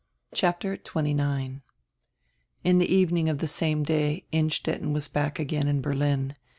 CHAPTER XXIX IN the evening of die same day Innstetten was back again in Berlin.